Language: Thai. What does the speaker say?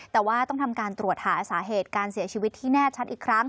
แต่ว่าต้องทำการตรวจหาสาเหตุการเสียชีวิตที่แน่ชัดอีกครั้ง